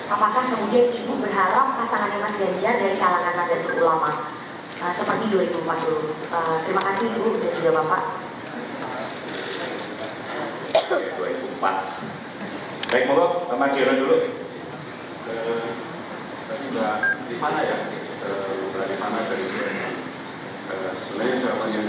apakah kemudian ibu berhalau pasangan mas ganjar dari kalangan raja turgulama